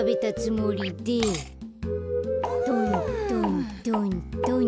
トントントントンっと。